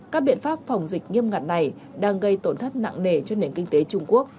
các biện pháp phòng dịch nghiêm ngặt này đang gây tổn thất nặng nề cho nền kinh tế trung quốc